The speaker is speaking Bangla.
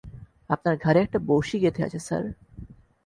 আপনার ঘাড়ে একটা বড়শি গেঁথে আছে, স্যার!